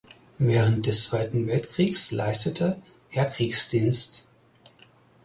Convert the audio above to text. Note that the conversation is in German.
Während des Zweiten Weltkriegs leistete er Kriegsdienst.